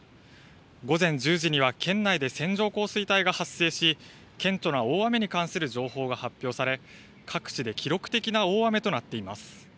午前１０時には県内で線状降水帯が発生し顕著な大雨に関する情報が発表され、各地で記録的な大雨となっています。